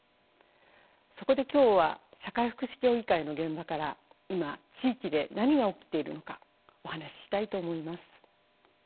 そこで今日は社会福祉協議会の現場から今地域で何が起きているのかお話ししたいと思います。